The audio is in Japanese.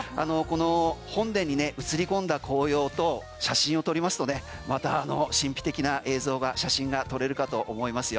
本殿に映り込んだ紅葉と写真を撮りますと、また神秘的な映像や写真が撮れるかと思いますよ。